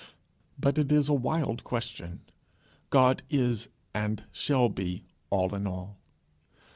But it is a wild question. God is, and shall be, All in all.